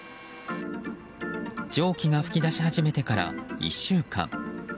蒸気が噴き出し始めてから１週間。